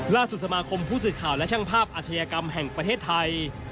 สมาคมผู้สื่อข่าวและช่างภาพอาชญากรรมแห่งประเทศไทย